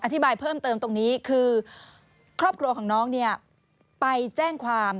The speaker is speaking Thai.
อธิบายเพิ่มเติมตรงนี้คือครอบครัวของน้องเนี่ยไปแจ้งความ